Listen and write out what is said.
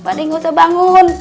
padhe gak usah bangun